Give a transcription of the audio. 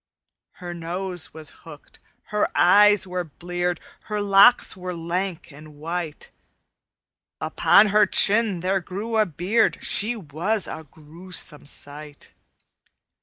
"Her nose was hooked, her eyes were bleared, Her locks were lank and white; Upon her chin there grew a beard; She was a gruesome sight.